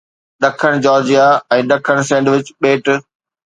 ڏکڻ جارجيا ۽ ڏکڻ سينڊوچ ٻيٽ